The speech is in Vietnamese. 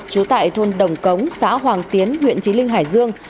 trú tại thôn đồng cống xã hoàng tiến huyện trí linh hải dương